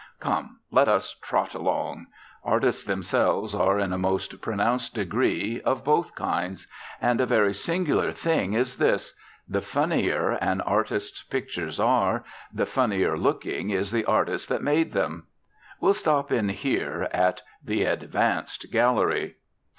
Come; let us trot along. Artists themselves are, in a most pronounced degree, of both kinds. And a very singular thing is this: the funnier an artist's pictures are, the funnier looking is the artist that made them. We'll stop in here, at The Advanced Gallery.